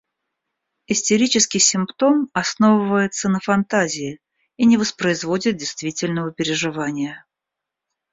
Истерический симптом основывается на фантазии и не воспроизводит действительного переживания.